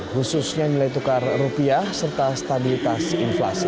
khususnya nilai tukar rupiah serta stabilitas inflasi